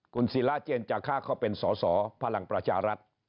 คุณศิราเจนจาค่าเขาเป็นสอสอพลังประชารัฐ